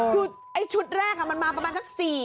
คือไอ้ชุดแรกมันมาประมาณสัก๔